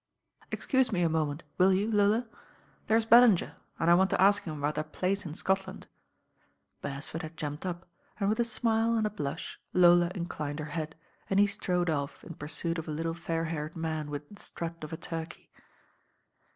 "Excuse me a moment, will you, LoFa? There' Ballinger, and I want to ask him about that place h Scotland." Beresford had jumped up, and with a smile and s blush Lola inclined her head, and he strode off ii pursuit of a little fair haired man with the strut oi a turkey.